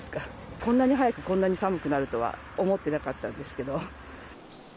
こんなに早く、こんなに寒くなるとは思ってなかったんですけど。